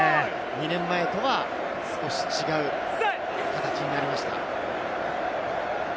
２年前とは少し違う形になりました。